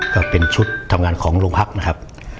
ก็เป็นชุดทำงานของโรงพักนะครับ